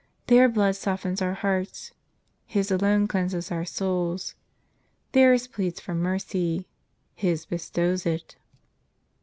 Their blood softens our hearts; His alone cleanses our souls. Theirs pleads for mercy; His bestows it.